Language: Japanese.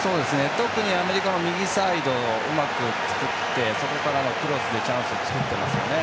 特にアメリカ右サイドからうまく作ってそこからのクロスでチャンスを作っていますよね。